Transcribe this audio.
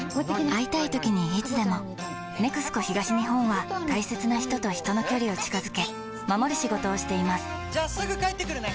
会いたいときにいつでも「ＮＥＸＣＯ東日本」は大切な人と人の距離を近づけ守る仕事をしていますじゃあすぐ帰ってくるね！